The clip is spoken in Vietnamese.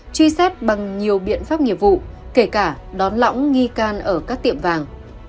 truy xét bằng nhiều biện pháp nghiệp vụ kể cả đón lõng nghi can ở các tiệm vàng